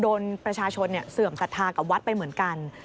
โดนประชาชนเสื่อมศรัทธากับวัดไปเหมือนกัน